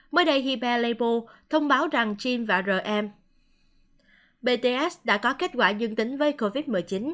mới đây hippie label thông báo rằng jin và rm bts đã có kết quả dương tính với covid một mươi chín